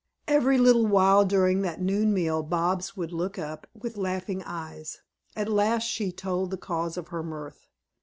Every little while during that noon meal Bobs would look up with laughing eyes. At last she told the cause of her mirth.